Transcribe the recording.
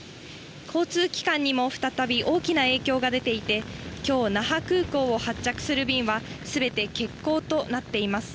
交通機関にも再び大きな影響が出ていて、きょう那覇空港を発着する便は全て欠航となっています。